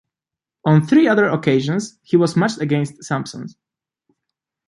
On three other occasions he was matched against Sampson.